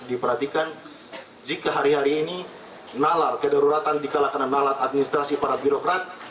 diperhatikan jika hari hari ini nalar kederoratan dikalahkan nalar administrasi para birokrat